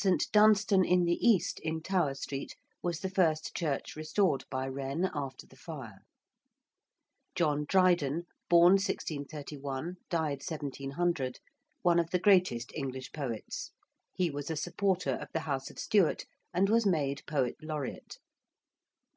~St. Dunstan in the East~, in Tower Street, was the first church restored by Wren after the fire. ~John Dryden~ (born 1631, died 1700): one of the greatest English poets. He was a supporter of the house of Stuart, and was made poet laureate.